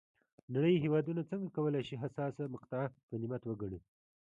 نړۍ هېوادونه څنګه کولای شي حساسه مقطعه غنیمت وګڼي.